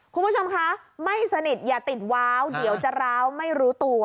คุณผู้ชมคะไม่สนิทอย่าติดว้าวเดี๋ยวจะร้าวไม่รู้ตัว